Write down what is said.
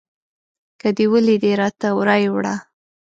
که دې ولیدی راته رایې وړه